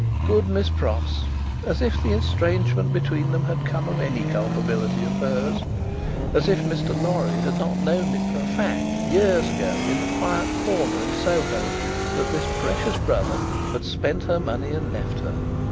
Good Miss Pross! As if the estrangement between them had come of any culpability of hers. As if Mr. Lorry had not known it for a fact, years ago, in the quiet corner in Soho, that this precious brother had spent her money and left her!